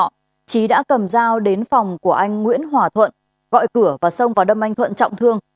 trước đó trí đã cầm dao đến phòng của anh nguyễn hòa thuận gọi cửa và xông vào đâm anh thuận trọng thương